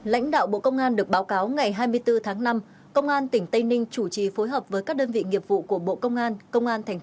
lãnh đạo bộ công an được báo cáo ngày hai mươi bốn tháng năm công an tỉnh tây ninh chủ trì phối hợp với các đơn vị nghiệp vụ của bộ công an công an tp hcm